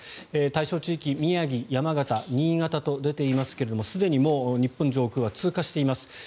対象地域宮城、山形、新潟と出ていますがすでにもう日本上空は通過しています。